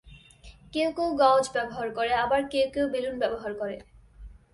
কেউ কেউ গজ ব্যবহার করে, আবার কেউ কেউ বেলুন ব্যবহার করে।